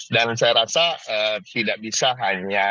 dan saya rasa tidak bisa hanya